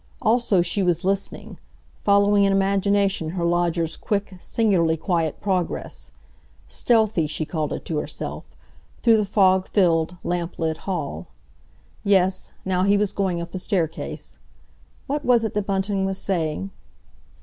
Also she was listening, following in imagination her lodger's quick, singularly quiet progress—"stealthy" she called it to herself—through the fog filled, lamp lit hall. Yes, now he was going up the staircase. What was that Bunting was saying?